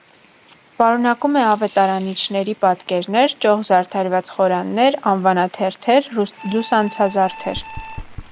Պարունակում է ավետարանիչների պատկերներ, ճոխ զարդարված խորաններ, անվանաթերթեր, լուսանցազարդեր։